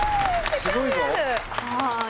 はい。